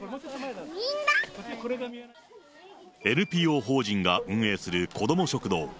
ＮＰＯ法人が運営するこども食堂。